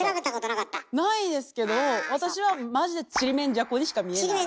ないですけど私はマジでちりめんじゃこにしか見えない。